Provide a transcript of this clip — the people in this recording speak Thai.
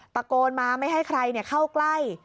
ตะโกนมาไม่ให้ใครเข้าใกล้